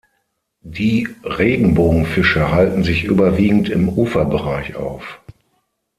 Die Regenbogenfische halten sich überwiegend im Uferbereich auf.